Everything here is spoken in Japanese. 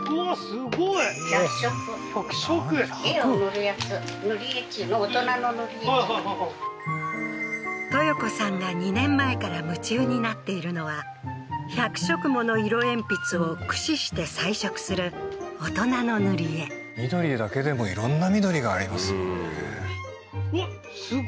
はいはいはいトヨ子さんが２年前から夢中になっているのは１００色もの色鉛筆を駆使して彩色する大人の塗り絵緑だけでも色んな緑がありますもんね